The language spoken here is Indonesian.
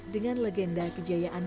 dengan legenda kejayaan